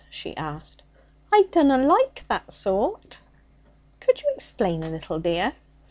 she asked. 'I dunna like that sort.' 'Could you explain a little, dear?'